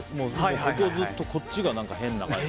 ここずっとこっちが変な感じ。